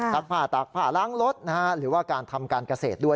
ผ้าตากผ้าล้างรถหรือว่าการทำการเกษตรด้วย